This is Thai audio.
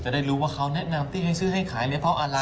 ได้รู้ว่าเขาแนะนำที่ให้ซื้อให้ขายเนี่ยเพราะอะไร